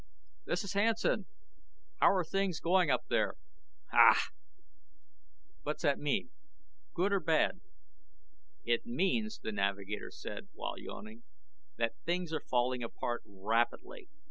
"This is Hansen. How're things going up there?" "Ha!" "What's that mean? Good or bad?" "It means," the navigator said, while yawning, "that things are falling apart rapidly.